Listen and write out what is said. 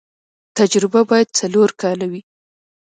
تجربه باید څلور کاله وي.